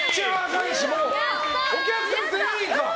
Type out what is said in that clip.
お客さん全員か。